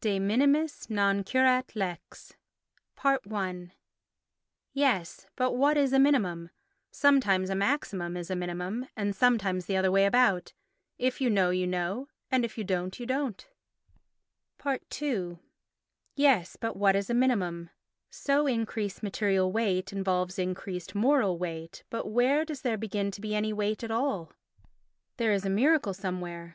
De Minimis non Curat Lex i Yes, but what is a minimum? Sometimes a maximum is a minimum, and sometimes the other way about. If you know you know, and if you don't you don't. ii Yes, but what is a minimum? So increased material weight involves increased moral weight, but where does there begin to be any weight at all? There is a miracle somewhere.